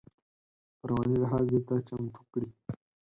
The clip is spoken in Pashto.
په رواني لحاظ دې ته چمتو کړي.